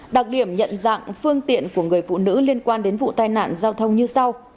đặc điểm nhận dạng phương tiện của người phụ nữ liên quan đến vụ tai nạn giao thông như sau